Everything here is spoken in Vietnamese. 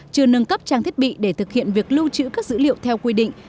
chưa nâng cấp trang thiết bị để thực hiện việc lưu trữ các dữ liệu theo quy định